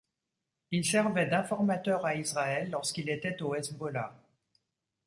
Il servait d'informateur à Israël lorsqu'il était au Hezbollah.